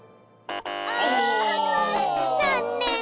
ざんねん。